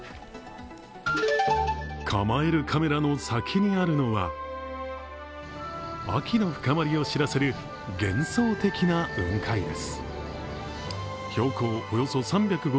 構えるカメラの先にあるのは秋の深まりを知らせる幻想的な雲海です。